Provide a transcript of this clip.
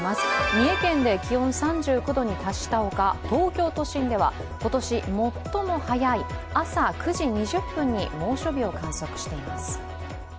三重県で気温３９度に達したほか東京都心では今年最も早い朝９時２０分に猛暑日を観測しています。